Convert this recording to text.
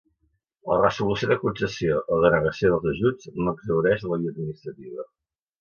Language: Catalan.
La resolució de concessió o denegació dels ajuts no exhaureix la via administrativa.